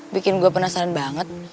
bikin gue penasaran banget